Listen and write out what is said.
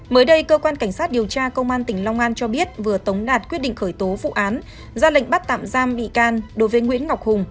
mới đây cơ quan cảnh sát điều tra công an tỉnh long an cho biết vừa tống đạt quyết định khởi tố vụ án ra lệnh bắt tạm giam bị can đối với nguyễn ngọc hùng